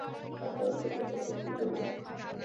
আর তারপর কথা বলা শুরু করলেন।